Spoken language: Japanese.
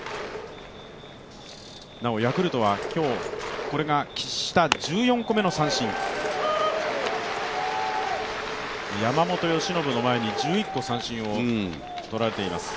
なおヤクルトはこれが喫した１４個目の三振、山本由伸の前に１１個三振を取られています。